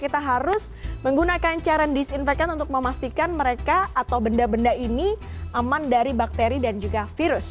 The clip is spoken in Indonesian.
kita harus menggunakan cairan disinfektan untuk memastikan mereka atau benda benda ini aman dari bakteri dan juga virus